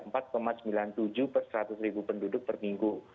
empat sembilan puluh tujuh per seratus ribu penduduk per minggu